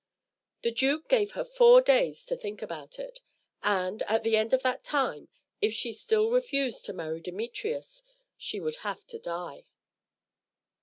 The duke gave her four days to think about it, and, at the end of that time, if she still refused to marry Demetrius, she would have to die.